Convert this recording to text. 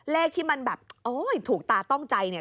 เลขที่มันแบบโอ้ยถูกตาต้องใจเนี่ย